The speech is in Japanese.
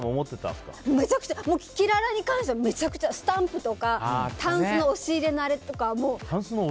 キキララについてはめちゃくちゃ、スタンプとかタンスの押し入れのあれとか。